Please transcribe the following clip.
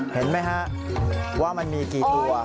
เห็นไหมฮะว่ามันมีกี่ตัว